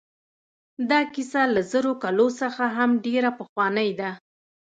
دا کیسه له زرو کالو څخه هم ډېره پخوانۍ ده.